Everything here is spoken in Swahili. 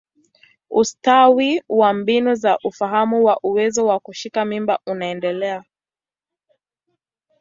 Ustawi wa mbinu za ufahamu wa uwezo wa kushika mimba unaendelea.